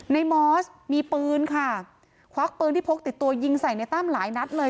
มอสมีปืนค่ะควักปืนที่พกติดตัวยิงใส่ในตั้มหลายนัดเลย